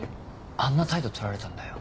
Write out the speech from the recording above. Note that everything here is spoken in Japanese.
あんな態度取られたんだよ。